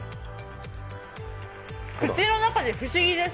口の中で不思議です。